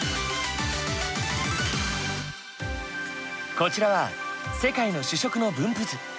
こちらは世界の主食の分布図。